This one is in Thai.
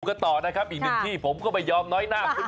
ก็ต่อนะครับอีกนึงที่ผมก็ไม่ยอมน้อยหรอก